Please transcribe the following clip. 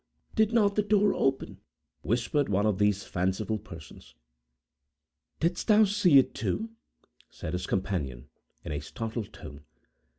"Did not the door open?" whispered one of these fanciful persons. "Didst thou see it, too?" said his companion, in a startled tone.